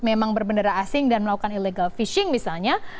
memang berbendera asing dan melakukan illegal fishing misalnya